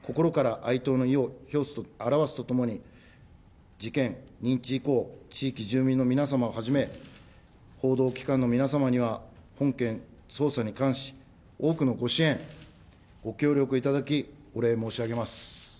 ご遺族に対し、心から哀悼の意を表すとともに、事件認知以降、地域住民の皆様をはじめ、報道機関の皆様には、本件捜査に関し、多くのご支援、ご協力いただき、お礼申し上げます。